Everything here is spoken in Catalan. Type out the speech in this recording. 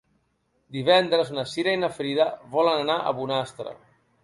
Divendres na Cira i na Frida volen anar a Bonastre.